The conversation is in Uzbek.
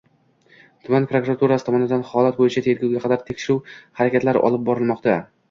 Tuman prokuraturasi tomonidan holat bo‘yicha tergovga qadar tekshiruv harakatlari olib borilmoqda